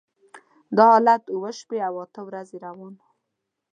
دا حالت اوه شپې او اته ورځې روان و.